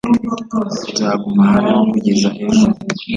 Nzaguma hano kugeza ejo.